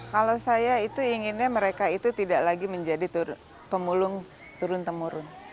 kalau saya itu inginnya mereka itu tidak lagi menjadi pemulung turun temurun